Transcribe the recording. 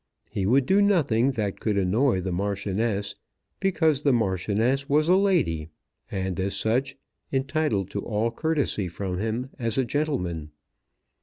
He would do nothing that could annoy the Marchioness, because the Marchioness was a lady, and as such, entitled to all courtesy from him as a gentleman.